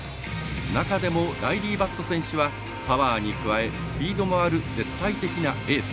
中でもライリー・バット選手はパワーに加えスピードもある絶対的なエース。